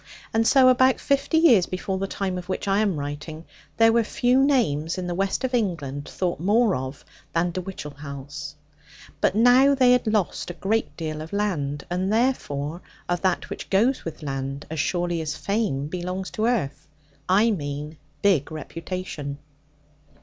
And so about fifty years before the time of which I am writing, there were few names in the West of England thought more of than De Whichehalse. But now they had lost a great deal of land, and therefore of that which goes with land, as surely as fame belongs to earth I mean big reputation.